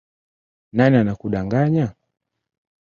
Nani anakukanganya